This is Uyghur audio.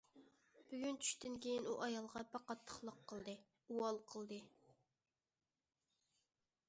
بۈگۈن چۈشتىن كېيىن ئۇ ئايالغا بەك قاتتىقلىق قىلدى، ئۇۋال قىلدى.